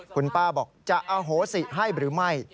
คุณป้าบอกจะอโหสิให้หรือไม่